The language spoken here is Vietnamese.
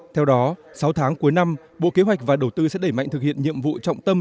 theo đó sáu tháng cuối năm bộ kế hoạch và đầu tư sẽ đẩy mạnh thực hiện nhiệm vụ trọng tâm